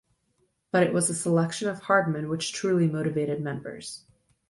But it was the selection of Hardman which truly motivated members.